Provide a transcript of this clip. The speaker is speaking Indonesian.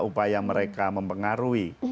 upaya mereka mempengaruhi